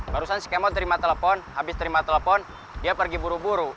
barusan skema terima telepon habis terima telepon dia pergi buru buru